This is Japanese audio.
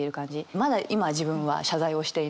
まだ今自分は謝罪をしていない。